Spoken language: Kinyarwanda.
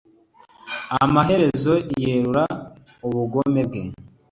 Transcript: amaherezo yerura ubugome bwe